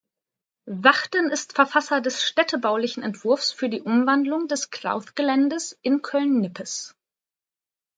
Wachten ist Verfasser des städtebaulichen Entwurfs für die Umwandlung des Clouth-Geländes in Köln-Nippes.